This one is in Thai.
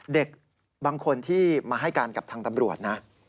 เด็กบางคนที่มาให้การกับทางตำรวจนะ